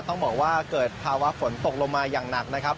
ต้องบอกว่าเกิดภาวะฝนตกลงมาอย่างหนักนะครับ